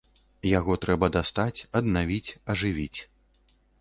Яго трэба дастаць, аднавіць, ажывіць.